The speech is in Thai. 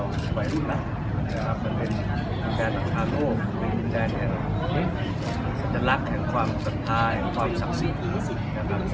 อันที่สุดท้ายก็คืออันที่สุดท้ายก็คืออั